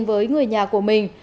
với người nhà của mình